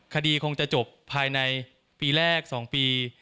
คดีคงจะจบภายในปีแรก๒ปี